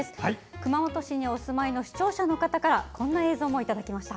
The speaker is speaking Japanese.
熊本市にお住まいの視聴者の方からこんな映像もいただきました。